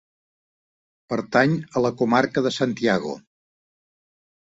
Pertany a la Comarca de Santiago.